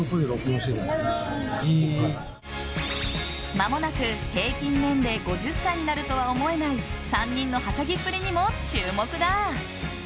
まもなく平均年齢５０歳になるとは思えない３人のはしゃぎっぷりにも注目だ。